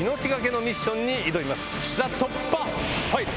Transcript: ＴＨＥ突破ファイル！